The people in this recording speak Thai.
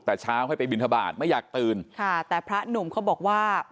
แต่เช้าให้ไปบินทบาทไม่อยากตื่นค่ะแต่พระหนุ่มเขาบอกว่า